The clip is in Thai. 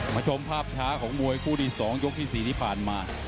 ชมภาพช้าของมวยคู่ที่๒ยกที่๔ที่ผ่านมา